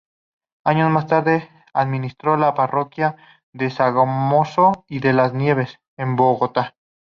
Años más tarde administró la parroquia de Sogamoso y de Las Nieves, en Bogotá.